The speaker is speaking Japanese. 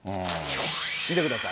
見てください。